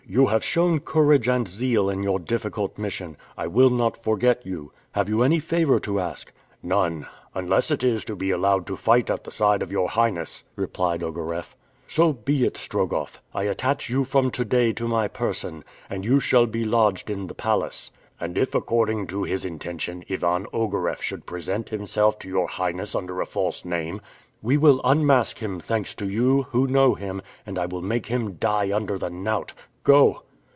"You have shown courage and zeal in your difficult mission. I will not forget you. Have you any favor to ask?" "None; unless it is to be allowed to fight at the side of your Highness," replied Ogareff. "So be it, Strogoff. I attach you from to day to my person, and you shall be lodged in the palace." "And if according to his intention, Ivan Ogareff should present himself to your Highness under a false name?" "We will unmask him, thanks to you, who know him, and I will make him die under the knout. Go!"